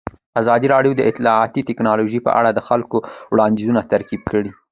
ازادي راډیو د اطلاعاتی تکنالوژي په اړه د خلکو وړاندیزونه ترتیب کړي.